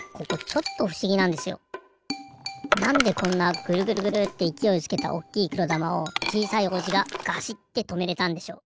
なんでこんなグルグルグルっていきおいつけたおっきいくろだまをちいさい王子がガシッてとめれたんでしょう？